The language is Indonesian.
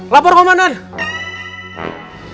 bapak dan ibu